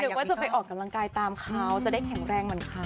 ว่าจะไปออกกำลังกายตามเขาจะได้แข็งแรงเหมือนเขา